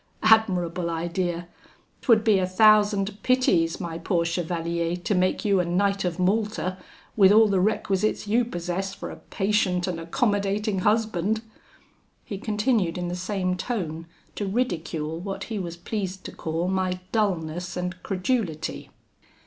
Admirable idea! 'Twould be a thousand pities, my poor chevalier, to make you a Knight of Malta, with all the requisites you possess for a patient and accommodating husband.' He continued in the same tone to ridicule what he was pleased to call my dullness and credulity.